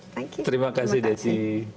thank you terima kasih desi